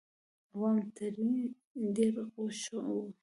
عوام ترې ډېر خوښ وو.